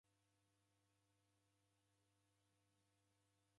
W'ana w'ako ni w'alinga?